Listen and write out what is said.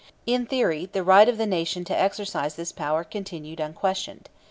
In theory, the right of the Nation to exercise this power continued unquestioned.